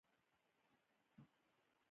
هغه بیخي په تیاره کې له پرنټر سره راغی.